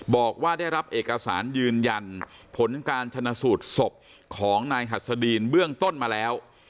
บอกว่าได้รับเอกสารยืนยันผลการชนะสูตรศพของนายหัสดีนเบื้องต้นมาแล้ว